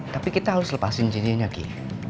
tapi kita harus lepasin cincinnya gi